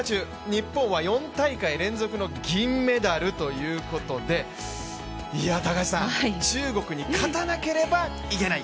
日本は４大会連続の銀メダルということで中国に勝たなければいけない。